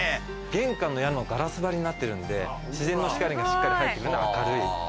玄関の屋根もガラス張りになってるんで自然の光がしっかり入って来るんで明るい感じ。